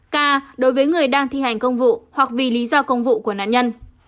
k đối với người đang thi hành công vụ hoặc vì lý do công vụ của nạn nhân